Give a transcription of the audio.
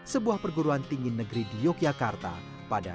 sebuah perguruan tinggi negeri di yogyakarta pada dua ribu tiga belas